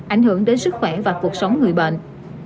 ảnh hưởng đến sức khỏe và cuộc sống người bệnh